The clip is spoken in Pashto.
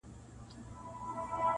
عاقبت یې په کوهي کي سر خوړلی-